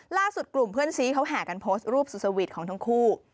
ล่าสุดกลุ่มเพื่อนซีเขาแห่กันโพสต์รูปสุดสวีทของทั้งคู่